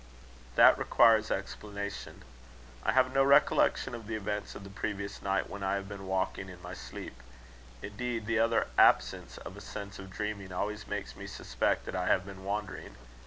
"That requires explanation. I have no recollection of the events of the previous night when I have been walking in my sleep. Indeed, the utter absence of a sense of dreaming always makes me suspect that I have been wandering.